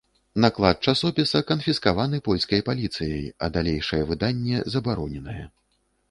Наклад часопіса канфіскаваны польскай паліцыяй, а далейшае выданне забароненае.